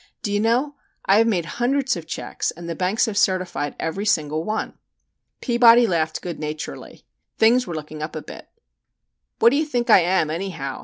Do you know, I have made hundreds of checks and the banks have certified every single one!" Peabody laughed good naturedly. Things were looking up a bit. "What do you think I am, anyhow?"